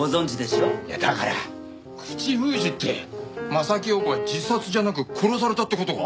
いやだから口封じって柾庸子は自殺じゃなく殺されたって事か？